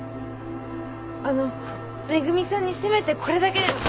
あの恵さんにせめてこれだけでも。